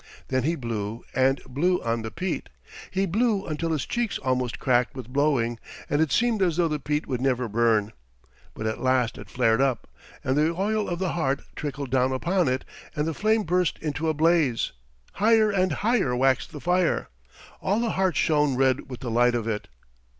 Then he blew and blew on the peat. He blew until his cheeks almost cracked with blowing, and it seemed as though the peat would never burn. But at last it flared up; the oil of the heart trickled down upon it, and the flame burst into a blaze. Higher and higher waxed the fire. All the heart shone red with the light of it.